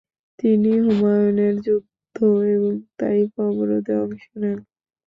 তিনি হুনায়নের যুদ্ধ এবং তাইফ অবরোধে অংশ নেন।